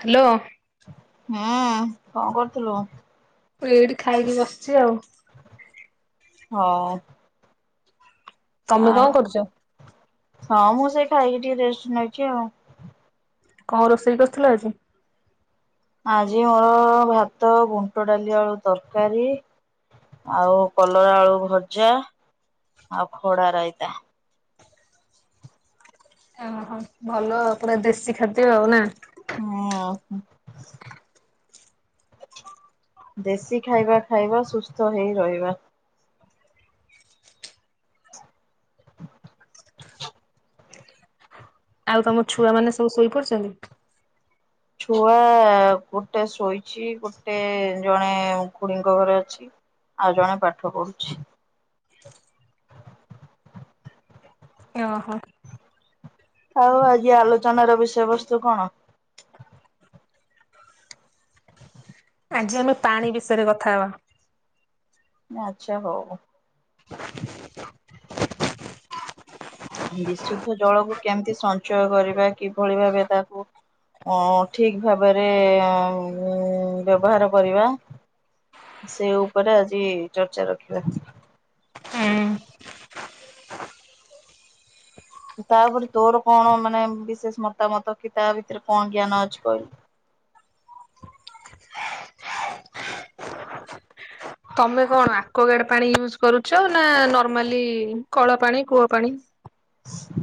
Hello. ହୁଁ କଣ କରୁଥିଲୁ? ମୁଁ ଏଇଠି ଖାଇକି ବସିଛି ଆଉ। ହଁ। ତମେ କଣ କରୁଚ? ହଁ ମୁଁ ସେଇ ଖାଇକି ଟିକେ ରେଷ୍ଟ ନଉଛି ଆଉ। କଣ ରୋଷେଇ କରିଥିଲ ଆଜି? ଆଜି ଆମର ଭାତ ବୁଣ୍ଟ ଡାଲି ଆଳୁ ତରକାରୀ। ଆଉ କଲରା ଆଳୁ ଭଜା ଆଉ ଖଡା ରାଇତା। ଓହୋ ଭଲ ଆଉ ପୁରା ଦେଶୀ ଖାଦ୍ୟ ଆଉ ନା। ହଁ। ଦେଶୀ ଖାଇବା ଖାଇବ ସୁସ୍ଥ ହେଇ ରହିବ। ଆଉ ତମ ଛୁଆ ମାନେ ସବୁ ଶୋଇପଡିଛନ୍ତି? ଛୁଆ ଗୋଟେ ଶୋଇଛି ଗୋଟେ ଜଣେ ଖୁଡିଙ୍କ ଘରେ ଅଛି। ଆଉ ଜଣେ ପାଠ ପଢୁଛି। ଓହୋ। ଆଉ ଆଜି ଆଲୋଚନାର ବିଷୟବସ୍ତୁ କଣ? ଆଜି ଆମେ ପାଣି ବିଷୟରେ କଥା ହବା। ଆଚ୍ଛା ହଉ। ବିଶୁଦ୍ଧ ଜଳକୁ କେମିତି ସଞ୍ଚୟ କରିବା କିଭଳି ଭାବେ ତାକୁ? ଉଁ ଠିକ ଭାବରେ ଉଁ ବ୍ୟବହାର କରିବା। ସେ ଉପରେ ଆଜି ଚର୍ଚ୍ଚା ରଖିବା। ତାପରେ ତୋର କଣ ମାନେ ବିଶେଷ ମତାମତ କି ତା ଭିତରେ କଣ ଜ୍ଞାନ ଅଛି କହିଲୁ? ତମେ କଣ ଆକ୍ୱାଗାର୍ଡ ପାଣି ୟୁଜ୍ କରୁଛ ନା ନର୍ମାଲି କଳା ପାଣି କୂଅ ପାଣି?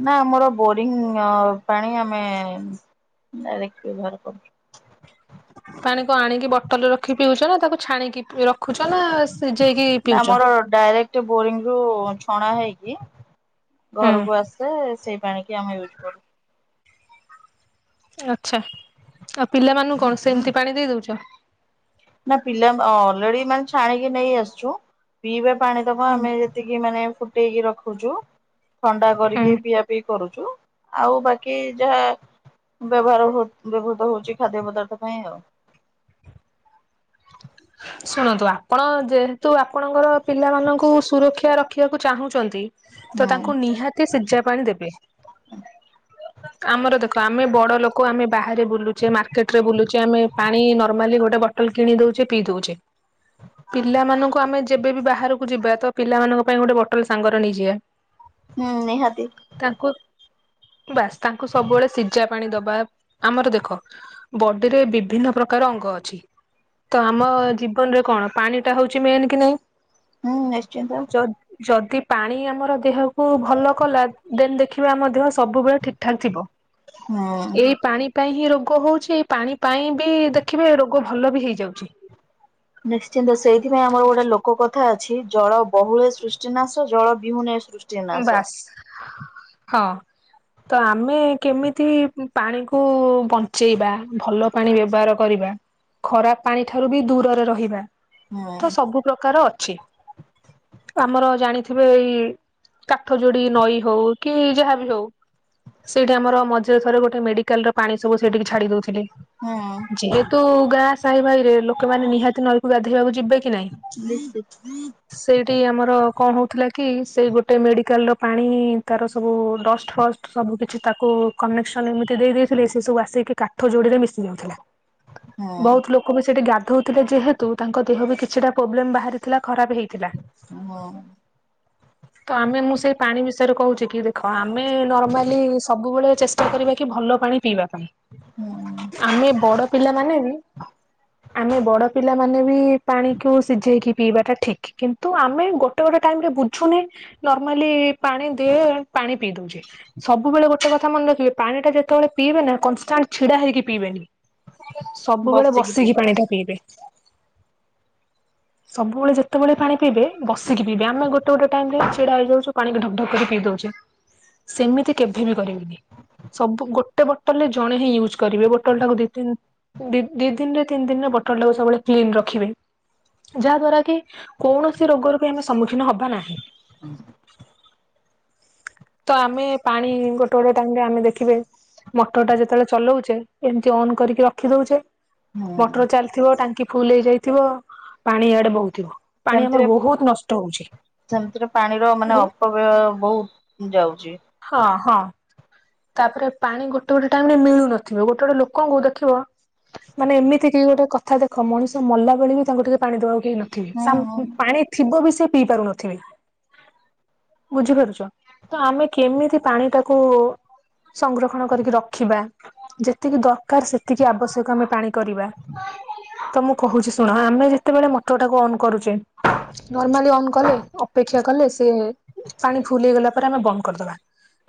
ନା ଆମର ବୋରିଙ୍ଗ ଅ ପାଣି ଆମେ। ନା ରେକ ବ୍ୟବହାର କରୁଛୁ। ପାଣି କଣ ଆଣିକି ବଟଲରେ ରଖି ପିଉଛ ନା ତାକୁ ଛାଣିକି ରଖୁଛ ନା ସିଝେଇକି ନା ପିଉଛ? ଆମର ଡାଇରେକ୍ଟ ବୋରିଂ ରୁ ଛଣା ହେଇକି ଘରକୁ ହୁଁ ଆସେ ସେଇ ପାଣିକି ଆମେ ୟୁଜ୍ କରୁ। ଆଛା ଆଉ ପିଲାମାନଙ୍କୁ କଣ ସେମିତି ପାଣି ଦେଇ ଦଉଚ? ନା ପିଲା ଅଲରେଡ଼ି ମାନେ ଛାଣିକି ନେଇ ଆସିଛୁ ପିଇବା ପାଣି ଦବ ଆମେ ଯେତିକି ମାନେ ଫୁଟେଇକି ରଖୁଚୁ। ଥଣ୍ଡା ହୁଁ କରିକି ପିଇଆ ପିଇ କରୁଛୁ ଆଉ ବାକି ଯାହା ବ୍ୟବହାର ବ୍ୟବହୃତ ହଉଛି। ଖାଦ୍ୟ ପଦାର୍ଥ ପାଇଁ ଆଉ। ଶୁଣନ୍ତୁ ଆପଣ ଯେହେତୁ ଆପଣଙ୍କର ପିଲାମାନଙ୍କୁ ସୁରକ୍ଷା ରଖିବାକୁ ଚାହୁଁଛନ୍ତି ତ ହୁଁ ତାଙ୍କୁ ନିହାତି ସିଝା ପାଣି ଦେବେ। ଆମର ଦେଖ ଆମେ ବଡ଼ ଲୋକ ଆମେ ବାହାରେ ବୁଲୁଛେ ମାର୍କେଟରେ ବୁଲଛେ ଆମେ ପାଣି ନର୍ମାଲି ଗୋଟେ ବଟଲ କିଣି ଦଉଚେ ପିଇ ଦଉଚେ। ପିଲାମାନଙ୍କୁ ଆମେ ଯେବେବି ବାହାରକୁ ଯିବା ତ ପିଲାମାନଙ୍କ ପାଇଁ ଗୋଟେ ବଟଲ ସାଙ୍ଗର ନେଇଯିବା। ହୁଁ ନିହାତି। ତାଙ୍କୁ ବାସ୍ ତାଙ୍କୁ ସବୁବେଳେ ସିଝା ପାଣି ଦବା ଆମର ଦେଖ ବଡ଼ି ରେ ବିଭିନ୍ନ ପ୍ରକାର ରଙ୍ଗ ଅଛି ତ ଆମ ଜୀବନରେ କଣ ପାଣି ଟା ହଉଛି ମେନ୍ କି ନାଇଁ? ହୁଁ ନିଶ୍ଚିନ୍ତ ଯ ଯଦି ପାଣି ଆମର ଦେହକୁ ଭଲ କଲା ଦେନ ଦେଖିବା ଆମ ଦେହ ସବୁବେଳେ ଠିକଠାକ ଥିବ। ହୁଁ ଏଇ ପାଣି ପାଇଁ ହିଁ ରୋଗ ହଉଛି। ପାଣି ପାଇଁ ବି ଦେଖିବେ ରୋଗ ଭଲ ବି ହେଇଯାଉଛି। ଥା ଅଛି ଜଳ ବହୁଳ ସୃଷ୍ଟିନାଶ ଜଳ ବିହୁନ ସୃଷ୍ଟି ନାଶ। ବାସ୍ ହଁ। ତ ଆମେ କେମିତି ପାଣିକୁ ବଞ୍ଚେଇବା ଭଲ ପାଣି ବ୍ୟବହାର କରିବା ଖରାପ ପାଣି ଠାରୁ ବି ଦୂରରେ ରହିବା। ହୁଁ ତ ସବୁ ପ୍ରକାର ଅଛି। ଆମର ଜାଣିଥିବେ ଏଇ କାଠ ଯୋଡି ନଈ ହଉ କି ଯାହାବି ହଉ ସେଇଠି ଆମ ମଝିରେ ଥରେ ଗୋଟେ ମେଡ଼ିକାଲ ର ପାଣି ସବୁ ସେଇଠିକି ଛାଡି ଦଉଛି। ହୁଁ ଯେହେତୁ ଗାଁ ସାହି ଭାଇ ରେ ଲୋକମାନେ ନିହାତି ନଈକୁ ଗାଧୋଇବାକୁ ଯିବେ। ହଁ କି ନାଇଁ ନିଶ୍ଚିତ ସେଇଠି ଆମର କଣ ହଉଥିଲା କି ସେଇ ଗୋଟେ ଗୋଟେ ମେଡ଼ିକାଲ ର ପାଣି ତାର ସବୁ ଡଷ୍ଟ ଫଷ୍ଟ ସବୁ କିଛି ତାକୁ କନେକ୍ସନ ଏମିତି ଦେଇ ଦେଇ ଥିଲେ ସେ ସବୁ ଆସେଇକି କାଠ ଯୋଡ଼ିରେ ମିଶି ଯାଉଥିଲା। ହୁଁ ବହୁତ ଲୋକ ବି ସେଠି ଗାଧଉଥିଲେ ଯେହେତୁ ତାଙ୍କ ଦେହ ବି କିଛିଟା ପ୍ରୋବ୍ଲେମ ବାହାରିଥିଲା। ଖରାପ ହେଇଥିଲା। ହୁଁ ତ ଆମେ ମୁଁ ସେଇ ପାଣି ବିଷୟରେ କହୁଛି କି ଦେଖ ଆମେ ନର୍ମାଲି ସବୁବେଳେ ଚେଷ୍ଟା କରିବା କି ଭଲ ପାଣି ପିଇବା। ହୁଁ ଆମେ ବଡ଼ ପିଲା ମାନ ବି ଆମେ ବଡ଼ ପିଲା ମାନେ ବି ପାଣିକୁ ସିଝେଇକି ପିଇବାଟା ଠିକ୍ କିନ୍ତୁ ଆମେ ଗୋଟେ ଗୋଟେ ଟାଇମରେ ବୁଝୁନେ ନର୍ମାଲି ପାଣି ଦିଏ ପାଣି ପିଇ ଦଉଚେ ସବୁବେଳେ ଗୋଟେ କଥା ମନେ ରଖିବେ ପାଣି ଟା ଯେତେ ସେତେବେଳେ ପିଇବେ ନା କନଷ୍ଟାଣ୍ଟ ଛିଡା ହେଇକି ପିଇବେନି ସବୁବେଳେ ବସିକି ପାଣି ଟା ପିଇବେ। ସବୁବେଳେ ଯେତେବେଳେ ପାଣି ପିଇବେ ବସିକି ପିଇବେ ଆମ ଗୋଟେ ଗୋଟେ ଟାଇମ ଛିଡା ହେଇ ଯାଉଚେ ପାଣିକୁ ଢକ୍ ଢକ କରି ପିଇ ଯାଉଚେ ସେମିତି କେବେ ବି କରିବିନି। ସବୁ ଗୋଟେ ବୋଟଲ ରେ ଜଣେ ହିଁ ୟୁଜ୍ କରିବେ ବୋଟଲ ଟାକୁ ଦି ତିନ ଦି ଦିନରେ ତିନି ଦିନରେ ବଟଲ ଟାକୁ ସବୁବେଳେ କ୍ଲିନ ରଖିବେ। ଯାହା ଦ୍ଵାରା କି କୌଣସି ରୋଗରୁ ବି ଆମେ ସମ୍ମୁଖୀନ ହବା ନାହିଁ। ତ ଆମେ ପାଣି ଗୋଟେ ଗୋଟେ ଟାଇମରେ ଆମେ ଦେଖିବେ ମଟର ଟା ଯେତେବେଳେ ଚଲଉଛେ ଏମତି ଅନ୍ କରିକି ରଖି ଦଉଚେ ହୁଁ ମଟର ଚାଲିଥିବ ଟାଙ୍କି ଫୁଲ ହେଇଯାଇଥିବ ପାଣି ଇଆଡେ ବହୁଥିବ। ପାଣି ଆମର ସେମିତିରେ ବହୁତ ନଷ୍ଟ ହଉଛି। ସେମିତିରେ ପାଣିର ମାନେ ହଁ ଅପବ୍ୟୟ ବହୁତ ଯାଉଛି। ହଁ ତାପରେ ପାଣି ଗୋଟେ ଗୋଟେ ଟାଇମ ରେ ମିଳୁନଥିବ ଗୋଟେ ଗୋଟେ ଲୋକଙ୍କୁ ଦେଖିବ। ମାନେ ଏମିତି କିି ଗୋଟେ କଥା ଦେଖ ମଣିଷ ମଲା ବେଳେ ବି ତାଙ୍କୁ ଟିକେ ପାଣି ଦବାକୁ କେହି ହୁଁ ହୁଁ ନଥିବେ ପାଣି ଥିବ ବି ସେ ପିଇ ପାରୁନଥିବେ ବୁଝିପାରୁଛ ତ ଆମେ କେମିତି ପାଣି ଟାକୁ ସଂରକ୍ଷଣ କରିକି ରଖିବା ଯେତିକି ଦରକାର ସେତିକି ଆବଶ୍ୟକ ଆମେ ପାଣି କରିବା ତ ମୁଁ କହୁଛି ଶୁଣ ଆମେ ସେତେବେଳେ ମଟରଟାକୁ ଅନ୍ କରୁଛେ ନର୍ମାଲି ଅନ୍ କଲେ ଅପେକ୍ଷା କଲେ ସେ ପାଣି ଫୁଲ ହେଇଗଲା ପରେ ଆମେ ବନ୍ଦ କରିଦବା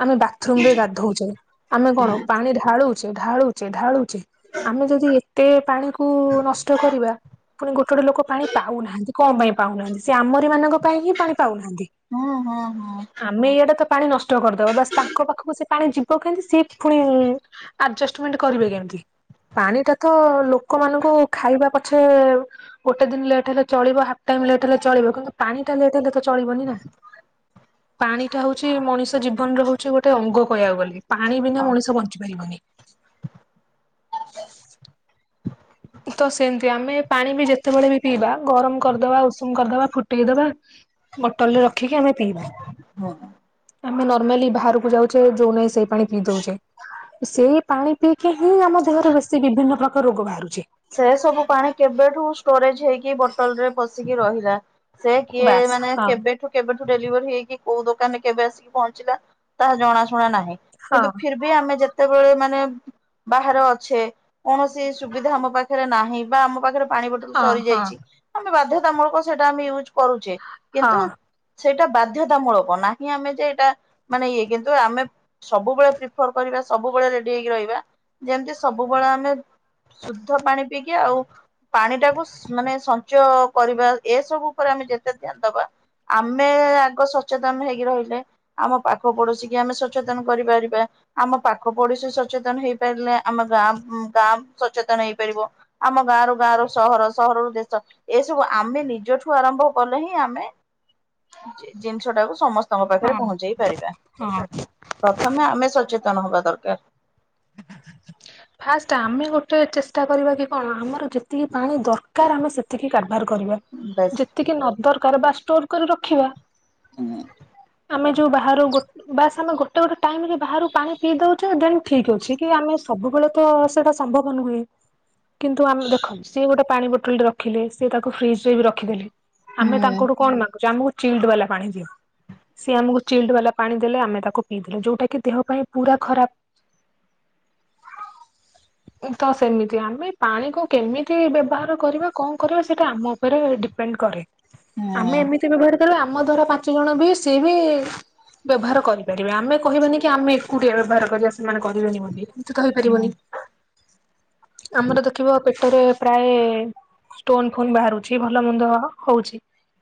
ଆମେ ବାଥରୁମ ରେ ଗାଧଉଛେ ଆମେ କଣ ପାଣି ଢାଳୁଛେ ଢାଳୁଛେ ଢାଳଛେ ଆମେ ଯଦି ଏତେ ପାଣିକୁ ନଷ୍ଟ କରିବା ପୁଣି ଗୋଟେ ଲୋକ ପାଣି ପାଉନାହାନ୍ତି କଣ ପାଇଁ ପାଉନାହାନ୍ତି ସେ ଆମ ମାନଙ୍କ ପାଇଁ ହିଁ ପାଣି ପାଉନାହାନ୍ତି ହୁଁ ହୁଁ ହୁଁ। ଆମେ ଏଇଟା ତ ପାଣି ନଷ୍ଟ କରିଦବ ବାସ୍ ତାଙ୍କ ପାଖକୁ ସେ ପାଣି ଯିବ କେମିତି ସି ପୁଣି ଆଡଜଷ୍ଟମେଣ୍ଟ କରିବେ କେମିତି ପାଣି ଟା ତ ଲୋକମାନଙ୍କୁ ଖାଇବା ପଛେ ଗୋଟେ ଦିନ ଲେଟ୍ ହେଲେ ଚଳିବ ହାଫ ଟାଇ ଲେଟ୍ ହେଲେ ଚଳିବ କିନ୍ତୁ ପାଣି ଟା ଲେଟ୍ ହେଲେ ତ ଚଳିବନି ନା ପାଣିଟା ହଉଛି ମଣିଷ ଜୀବନରେ ହଉଛି ଗୋଟେ ଅଙ୍ଗ କହିବାକୁ ବୋଲି ପାଣି ବିନା ଅ ମଣିଷ ବଞ୍ଚି ପାରିବନି [inaudible] ତ ସେମିତି ଆମେ ପାଣି ବି ଯେତେବେଳେ ବି ପିଇବା ଗରମ କରିଦବା ଉଷୁମ କରିଦବା ଫୁଟେଇଦବା ବଟଲ ରେ ରଖିକି ଆମେ ପିଇବା ହୁଁ। ଆମେ ନର୍ମାଲି ବାହାରକୁ ଯାଉଛେ ଯୋଉ ନାହିଁ ସେ ପାଣି ପିଇ ଦଉଛେ ସେଇ ପାଣି ପିଇକି ହିଁ ଆମ ଦେହରେ ବେଶୀ ବିଭିନ୍ନ ପ୍ରକାର ରୋଗ ବାହାରୁଛି ସେ ସବୁ ପାଣି କେବେଠୁ ଷ୍ଟୋରେଜ ହେଇକି ବଟଲରେ ପଶିକି ରହିଲା ସେ କିଏ ବାସ୍ ମାନେ ହଁ କେବେଠୁ କେବେଠୁ ଡେଲିଭରି ହେଇକି କୋଉ ଦୋକାନରେ କେବେ ଆସିକି ପହଞ୍ଚିଲା ତାହା ଜଣା ଶୁଣା ନାହିଁ ହଁ କିନ୍ତୁ ଫିର ବି ଆମେ ଯେତେ ବେଳେ ମାନେ ବାହାର ଅଛେ କୌଣସି ସୁବିଧା ଆମ ପାଖରେ ନାହିଁ ବା ଆମ ପାଖରେ ପାଣି ପଟକୁ ହଁ ସରି ହଁ ଯାଇଛି ଆମେ ବାଧ୍ୟତାମୂଳକ ସେଟା ଆମେ ୟୁଜ କରୁଛେ କିନ୍ତୁ ହଁ ସେଇଟା ବାଧ୍ୟତାମୂଳକ ନାହିଁ ଆମେ ଯେ ଏଇଟା ମାନେ ଇଏ କିନ୍ତୁ ଆମେ ସବୁବେଳେ ପ୍ରିଫର କରିବା ସବୁବେଳେ ରେଡି ହେଇକି ରହିବା ଯେମିତି ସବୁବେଳେ ଆମେ ଶୁଦ୍ଧ ପାଣି ପିଇକି ଆଉ ପାଣି ଟାକୁ ମାନେ ସଞ୍ଚୟ କରିବା ଏସବୁ ଉପରେ ଆମେ ଯେତେ ଧ୍ୟାନ ଦବା ଆମେ ଆଗ ସଚେତନ ହେଇକି ରହିଲେ ଆମ ପାଖ ପଡୋଶୀ କି ଆମେ ସଚେତନ କରିପାରିବା ଆମ ପାଖ ପଡିଶୀ ସଚେତନ ହେଇପାରିଲେ ଆମ ଗାଁ ଗାଁ ସଚେତନ ହେଇ ଆମ ଗାଁ ରରୁ ଗାଁ ର ସହର ସହରରୁ ଦେଶ ଏସବୁ ଆମେ ନିଜଠୁ ଆରମ୍ଭ କଲେ ହିଁ ଆମେ ଜିନିଷ ଟାକୁ ସମସ୍ତଙ୍କ ପାଖରେ ହଁ ପହଞ୍ଚେଇ ପାରିବା। ହଁ। ପ୍ରଥମେ ଆମେ ସଚେତନ ହବା ଦରକାର ଫାଷ୍ଟ ଆମେ ଗୋଟେ ଚେଷ୍ଟା କରିବା କି କଣ ଆମର ଯେତିକି ପାଣି ଦରକାର ଆମେ ସେତିକି କାଢ଼ି ବ୍ୟବହାର କରିବା ବାସ୍। ଯେତିକି ନ ଦରକାର ବା ଷ୍ଟୋର କରି ରଖିବା। ହୁଁ ଆମେ ଯୋଉ ବାହାର ବାସ୍ ଆମେ ଗୋଟେ ତ ଗୋଟେ ଟାଇମ୍ ରେ ବାହାରୁ ପାଣି ପିଇ ଦଉଛେ ଦେନ୍ ଠିକ୍ ଅଛି। କି ଆମେ ସବୁବେଳେ ତ ସେଇଟା ସମ୍ଭବ ନୁହେଁ କିନ୍ତୁ ଆମେ ଦେଖନ୍ତୁ ସିଏ ଗୋଟେ ପାଣି ଗୋଟେ ରଖିଲେ ସେ ତାକୁ ଫ୍ରିଜ ରେ ବି ରଖିଦେଲେ ଆମେ ହୁଁ ତାଙ୍କଠୁ କଣ ମାଗୁଛେ ଆମ ଗେ ଚିିଲ୍ଡ୍ ବାଲା ପାଣି ଦିଅ ସିଏ ଆମକୁ ଚିଲଡ୍ ବାଲା ପାଣି ଦେଲେ ଆମେ ତାକୁ ପିଇଦେଲେ ଯୋଉଟା କି ଦେହ ପାଇଁ ପୁରା ଖରାପ। [inaudible] ତ ସେମିତି ଆମେ ପାଣିକୁ କେମିତି ବ୍ୟବହାର କରିବା କଣ କରିବା ସେଇଟା ଆମ ଉପରେ ଡିପେଣ୍ଡ କରେ। ଆମେ ଏମିତି ବି ବ୍ୟବହାର କରିବା ଆମ ଧର ପାଞ୍ଚ ଜଣ ବି ସିଏ ବି ବ୍ୟବହାର କରିପାରିବେ ଆମେ କହିବାନି କି ଆମେ ଏକୁଟିଆ ବ୍ୟବହାର କରିବା ସେମାନେ ବନି ବୋଲି କିନ୍ତୁ ତ ହେଇପାରିବନି। ହୁଁ ଆମର ଦେଖିବ ପେଟରେ ପ୍ରାୟ ଷ୍ଟୋନ ଫୋନ ବାହାରୁଛି ଭଲ ମନ୍ଦ ହଉଛି।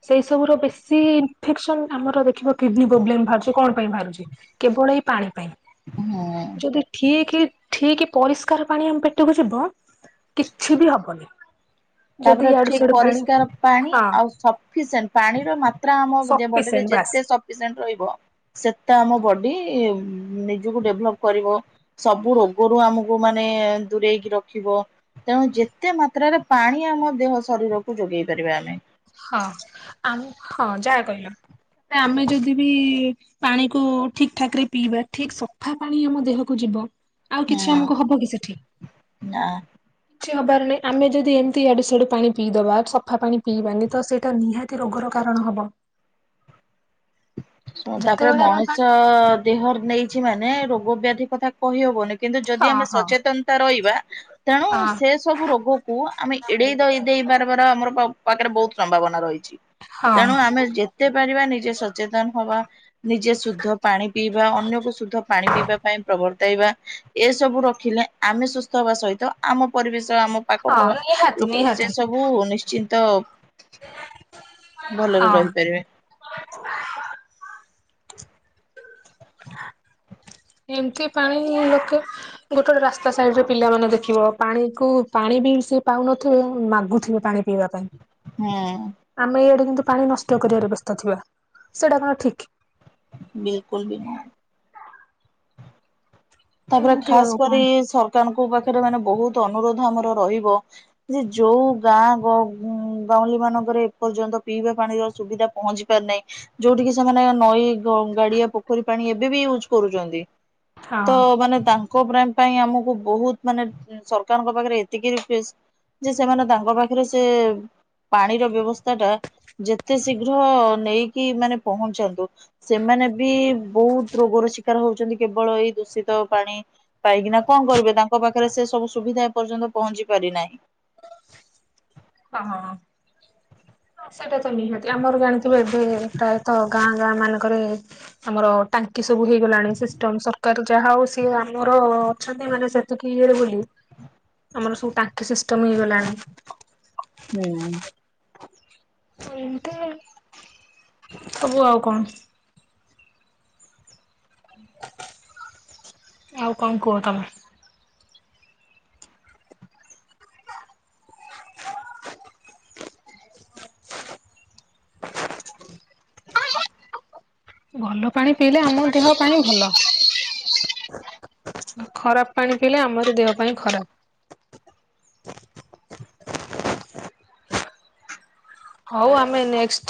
ସେଇ ସବୁ ର ବେଶୀ ଇନ୍ଫେକ୍ସନ୍ ଆମର ଦେଖିବ କିଡ଼ନୀ ପ୍ରୋବ୍ଲେମ୍ ବାହାରୁଛି କଣ ପାଇଁ ବାହାରୁଛି କେବଳ ଏଇ ପାଣି। ହଁ। ଠିକ୍ ଠିକ୍ ପରିଷ୍କାର ପାଣି ଆମ ପେଟକୁ ଯିବ କିଛି ବି ହବନି। ଯଦି ତାପରେ ଇଆଡୁ ଠିକ୍ ସିଆଡୁ ପାଣି ପରିଷ୍କାର ପାଣି ହଁ ଆଉ ସଫିସେଏଣ୍ଟ୍ ପାଣିର ମାତ୍ରା ଆମ ବଡିରେ ସଫିସିଏଣ୍ଟ ଯେ ବାସ୍ ତେ ସପିସେଣ୍ଟ୍ ରହିବ ସେତେ ଆମ ବଡି ନିଜକୁ ଡେଭଲପ୍ କରିବ ସବୁ ରୋଗରୁ ଆମକୁ ମାନେ ଦୂରେଇକି ରଖିବ। ତେଣୁ ଯେତେ ମାତ୍ରାରେ ପାଣି ଆମ ଦେହ ଶରୀରକୁ ଯୋଗେଇ ପାରିବା ଆମେ। ହଁ ଆମ ହଁ ଯାହା କହିଲ। ଆମେ ଯଦି ବି ପାଣିକୁ ଠିକ୍ ଠାକ୍ ରେ ପିଇବା ଠିକ୍ ସଫା ପାଣି ଆମ ଦେହକୁ ଯିବ। ଆଉ କିଛି ହୁଁ ଆମକୁ ହବ କି ସେଠି। ନା କିଛି ହବାର ନାହିଁ ଆମେ ଯଦି ଏମିତି ଇଆଡୁ ସିଆଡୁ ପାଣି ପିଇଦବା ସଫା ପାଣି ପିଇବାନି ତ ସେଇଟା ନିହାତି ରୋଗ ର କାରଣ ହବ। ଶୁ ତାପରେ ଯେତେବେଳେ ଆମେ ପାଣି ମଣିଷ ଦେହ ନେଇଛି ମାନେ ରୋଗ ବ୍ୟାଧି କଥା କହିହବନି। କିନ୍ତୁ ଯଦି ହଁ ଆମେ ହଁ ସଚେତନତା ରହିବା ତେଣୁ ସେ ସବୁ ରୋଗକୁ ଆମେ ଏଡେଇ [unintelligible] ହଁ। ଦେଇ [unintelligible] ଆମର ପାଖରେ ବହୁତ୍ ସମ୍ଭାବନା ରହିଛି ହଁ ତେଣୁ ଆମେ ଯେତେ ପାରିବା ନିଜେ ସଚେତ [unintelligible] ହବା ନିଜେ ଶୁଦ୍ଧ ପାଣି ପିଇବା ଅନ୍ୟକୁ ଶୁଦ୍ଧ ପାଣି ପିଇବା ପାଇଁ ପ୍ରବର୍ତ୍ତାଇବା ଏସବୁ ରଖିଲେ ଆମେ ସୁସ୍ଥ ହେବା ସହିତ ଆମ ପରିବେଶ ଆମ ହଁ ପାଖ ନିହାତି ଲୋକ ସେ ନିହାତି ସବୁ ନିଶ୍ଚିତ ହଁ ଭଲରେ ରହିପାରିବେ। ହ ଏମତି ପାଣି ଲୋକେ ଗୋଟେ ଗୋଟେ ରାସ୍ତା ସାଇଡ଼ି ରେ ପିଲାମାନେ ଦେଖିବ ପାଣିକୁ ପାଣି ବି ସେ ପାଉନଥିବେ ମାଗୁଥିବେ ପାଣି। ପିଇବା ପାଇଁ। ହୁଁ। ଆମେ ଏଇଆଡେ କିନ୍ତୁ ପାଣି ନଷ୍ଟ କରିବାର ବ୍ୟସ୍ତ ଥିବା ସେଇଟା କଣ ଠିକ୍? ବିଲକୁଲ୍ ବି ନୁହଁ। ତାପରେ ଏମିତି ଖାସ୍ ଆଉ କରି କଣ ସରକାରଙ୍କୁ ପା [unintelligible] ମାନେ ବହୁତ୍ ଅନୁରୋଧ ଆମର ରହିବ ଯେ ଯୋଉ ଗାଁ ଗାଉଁଲି ମାନଙ୍କ ଏପର୍ଯ୍ୟନ୍ତ ପିଇବା ପାଣିର ସୁବିଧା ପହଞ୍ଚି ପାରିନାହିଁ ଯୋଉଠି କି ସେମାନେ ନଈ ଗ ଗାଡିଆ ପୋଖରୀ ପାଣି ଏବେ ବି ୟୁଜ୍ କରୁଛନ୍ତି। ହଁ ତ ମାନେ ତାଙ୍କ [unintelligible] ପାଇଁ ଆମକୁ ବହୁତ୍ ମାନେ ସରକାରଙ୍କ ପାଖରେ ଏତିକି ରି [unintelligible] ଯେ ସେମାନେ ତାଙ୍କ ପାଖରେ ସେ ପାଣିର ବ୍ୟବସ୍ଥା ଟା ଯେତେ ଶୀଘ୍ର ନେଇକି ମାନେ ପହଞ୍ଚାନ୍ତୁ ସେମା ମାନେ ବି ବହୁତ୍ ରୋଗର ଶିକାର ହଉଛନ୍ତି କେବଳ ଏଇ ଦୂଷିତ ପାଣି ପାଇକିନା କଣ କରିବେ ତାଙ୍କ ପାଖରେ ସେ ସବୁ ସୁବିଧା ଏପର୍ଯ୍ୟନ୍ତ ପହଞ୍ଚି ପାରିନାହିଁ। ହଁ। ସେଇଟା ତ ନିହାତି ଆମର ଜାଣିଥିବେ ଏବେ ପ୍ରାୟତଃ ଗାଁ ଗାଁ ମାନଙ୍କରେ ଆମର ଟାଙ୍କି ସବୁ ହେଇଗଲାଣି ସିଷ୍ଟମ୍ ସରକାର ଯାହା ହଉ ସିଏ ଆମର ଅଛନ୍ତି ମାନେ ସେତିକି ଇଏରେ ବୋଲି ଆମର ସବୁ ଟାଙ୍କି ସିଷ୍ଟମ୍ ହେଇଗଲାଣି। ହୁଁ। ଏମତି ସବୁ ଆଉ କଣ? ଆଉ କଣ କୁହ ତମେ? [unintelligible] ଭଲ ପାଣି ପିଇଲେ ଆମ ଦେହ ପାଇଁ ଭଲ। ଖରାପ ପାଣି ପିଇଲେ ଆମର ଦେହ ପାଇଁ ଖରାପ। ହଉ ଆମେ ନେଷ୍ଟ୍